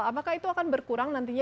apakah itu akan berkurang nantinya